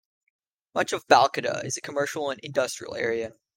Much of Balcatta is a commercial and industrial area.